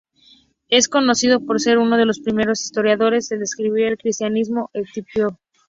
Es conocido por ser uno de los primeros historiadores en describir el cristianismo etíope.